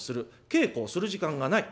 稽古をする時間がない。